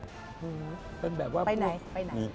เป็นแบบว่าไปไหน